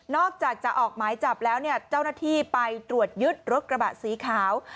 อกจากจะออกหมายจับแล้วเนี่ยเจ้าหน้าที่ไปตรวจยึดรถกระบะสีขาว